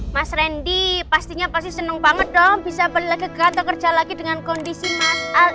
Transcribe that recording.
mas rendy pastinya seneng banget dong bisa kegantung kerja lagi dengan kondisi mas al